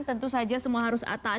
tentu saja semua harus